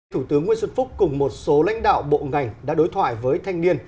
thủ tướng nguyễn xuân phúc cùng một số lãnh đạo bộ ngành đã đối thoại với thanh niên